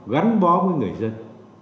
gắn bó với người dân